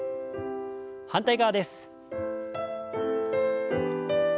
反対側です。